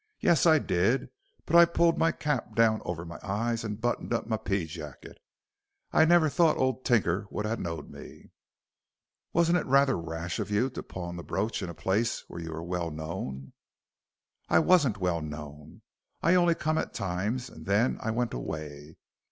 "Yes, I did. But I pulled my cap down over my eyes and buttoned up my pea jacket. I never thought old Tinker would ha' knowed me." "Wasn't it rather rash of you to pawn the brooch in a place where you were well known?" "I wasn't well known. I only come at times, and then I went away.